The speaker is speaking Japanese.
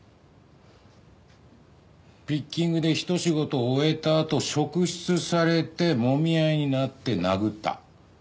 ピッキングでひと仕事終えたあと職質されてもみ合いになって殴った。